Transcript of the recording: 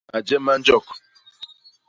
Maje ma njok.